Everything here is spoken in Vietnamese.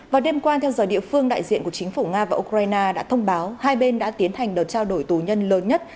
vào đêm qua theo giờ địa phương đại diện của chính phủ nga và ukraine đã thông báo hai bên đã tiến hành đợt trao đổi tù nhân lớn nhất